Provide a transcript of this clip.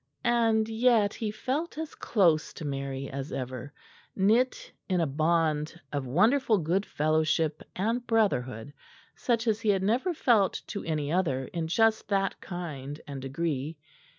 And yet he felt as close to Mary as ever, knit in a bond of wonderful good fellowship and brotherhood such as he had never felt to any other in just that kind and degree.